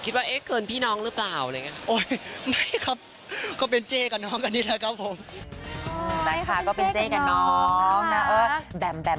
แต่ต่างกว่าหลายคนก็คิดว่า